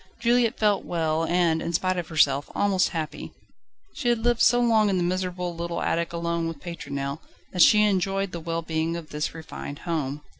Juliette felt well and, in spite of herself, almost happy. She had lived so long in the miserable, little attic alone with Pétronelle that she enjoyed the well being of this refined home.